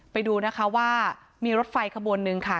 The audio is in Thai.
ไปดูนะคะว่ามีรถไฟขบวนนึงค่ะ